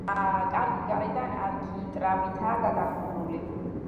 კარი გარედან არქიტრავითაა გადახურული.